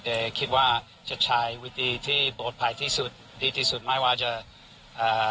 แต่คิดว่าจะใช้วิธีที่ปลอดภัยที่สุดดีที่สุดไม่ว่าจะอ่า